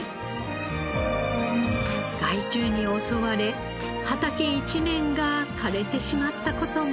害虫に襲われ畑一面が枯れてしまった事も。